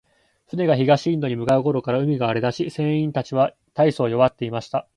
船が東インドに向う頃から、海が荒れだし、船員たちは大そう弱っていました。